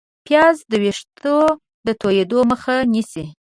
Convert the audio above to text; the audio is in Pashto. پیاز د ویښتو د تویېدو مخه نیسي